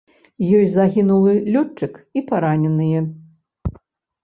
Ёсць загінулы лётчык і параненыя.